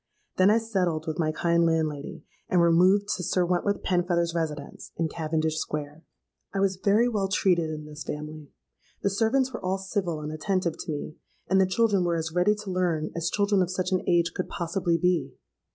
Then I settled with my kind landlady, and removed to Sir Wentworth Penfeather's residence in Cavendish Square. "I was very well treated in this family. The servants were all civil and attentive to me; and the children were as ready to learn as children of such an age could possibly be.